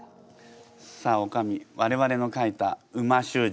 さあおかみわれわれの書いた美味しゅう字